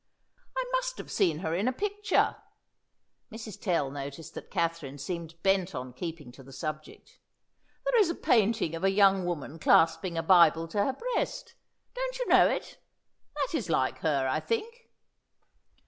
"I must have seen her in a picture." Mrs. Tell noticed that Katherine seemed bent on keeping to the subject. "There is a painting of a young woman clasping a Bible to her breast. Don't you know it? That is like her, I think."